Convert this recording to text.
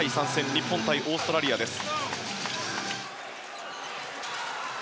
日本対オーストラリアです。